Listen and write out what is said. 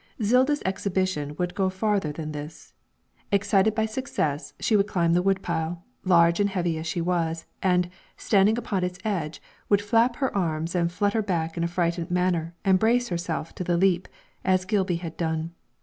Zilda's exhibition would go further than this. Excited by success, she would climb the wood pile, large and heavy as she was, and, standing upon its edge, would flap her arms and flutter back in a frightened manner and brace herself to the leap, as Gilby had done.